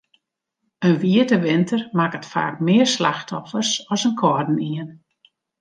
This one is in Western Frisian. In wiete winter makket faak mear slachtoffers as in kâldenien.